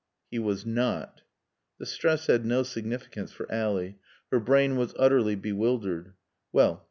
"He was not." The stress had no significance for Ally. Her brain was utterly bewildered. "Well.